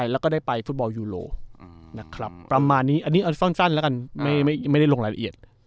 แล้วก็ได้ไปฟุตบอลยูโรนะครับประมาณนี้อันนี้เอาสั้นแล้วกันไม่ได้ลงรายละเอียด